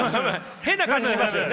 変な感じしますよね！